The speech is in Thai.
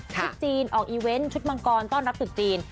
ชุดจีนออกอีเวนต์ชุดมังกรต้อนรับตึกจีน